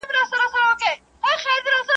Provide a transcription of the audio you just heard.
د غازیانو له شامته هدیرې دي چي ډکیږی.